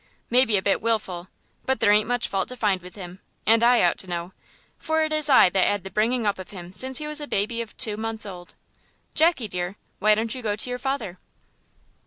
Maybe a bit wilful, but there ain't much fault to find with him, and I ought to know, for it is I that 'ad the bringing up of him since he was a baby of two months old. Jackie, dear, why don't you go to your father?"